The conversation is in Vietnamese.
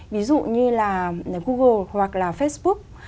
ví dụ như là google hoặc là facebook